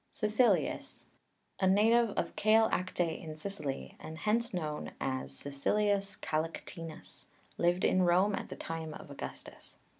CAECILIUS, a native of Kale Akte in Sicily, and hence known as Caecilius Kalaktinus, lived in Rome at the time of Augustus.